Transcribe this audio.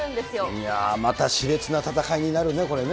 いや、またしれつな戦いになるね、これね。